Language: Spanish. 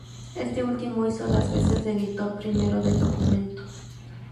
Éste último hizo las veces de editor primero del documento.